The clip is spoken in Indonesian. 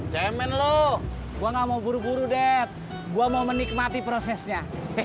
gue nggak mau buru buru deh gua mau menikmati prosesnya